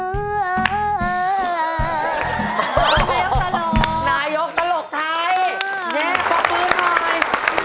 นายกตลกนายกตลกไทยเย้ขอบคุณหน่อย